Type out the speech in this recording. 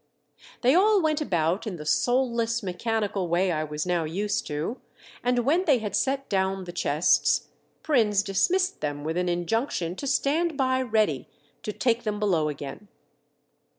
They all went about in the soulless, mechanical way I was now used to, and, when they had set down the chests, Prins dismissed them with an injunction to stand by ready to take them below again.